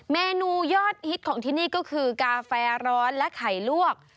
เมนูยอดฮิตของที่นี่ก็คือกาแฟร้อนและไข่ลวก